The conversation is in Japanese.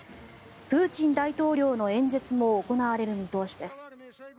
プーチン大統領の演説も行われる見通しです。